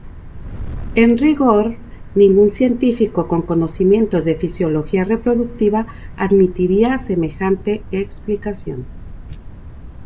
En rigor, ningún científico con conocimientos de fisiología reproductiva admitiría semejante explicación.